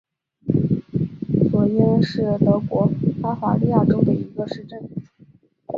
索伊恩是德国巴伐利亚州的一个市镇。